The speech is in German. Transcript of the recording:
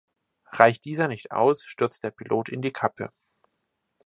Reicht dieser nicht aus, stürzt der Pilot in die Kappe.